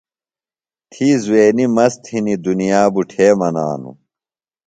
تھی زُوینی مست ہِنیۡ دُنیا بُٹھے منانوۡ۔